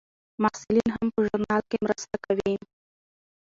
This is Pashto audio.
محصلین هم په دې ژورنال کې مرسته کوي.